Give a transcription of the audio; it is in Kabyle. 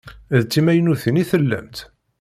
D timaynutin i tellamt?